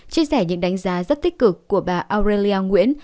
chia sẻ những đánh giá rất tích cực của bà aurea nguyễn